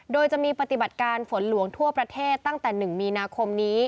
โดยจะมีปฏิบัติการฝนหลวงทั่วประเทศตั้งแต่๑มีนาคมนี้